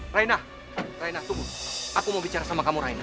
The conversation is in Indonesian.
raina tunggu aku mau bicara sama kamu raina